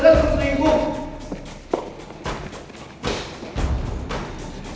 jelas jelas kamu selingkuh